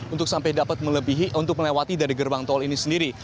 untuk sampai dapat melebihi untuk melewati dari gerbang tol ini sendiri